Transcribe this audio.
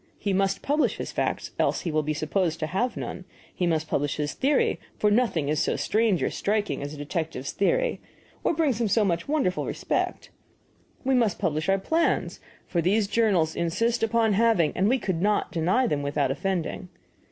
He must publish his facts, else he will be supposed to have none; he must publish his theory, for nothing is so strange or striking as a detective's theory, or brings him so much wondering respect; we must publish our plans, for these the journals insist upon having, and we could not deny them without offending.